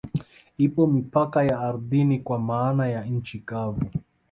Ipo mipaka ya ardhini kwa maana ya nchi kavu